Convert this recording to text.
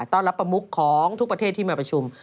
ต้อนรับประมุขของทุกประเทศที่มาประชุม